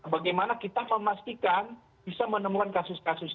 bagaimana kita memastikan bisa menemukan kasus kasus